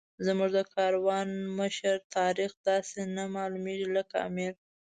زموږ د کاروان مشر طارق داسې نه معلومېږي لکه امیر.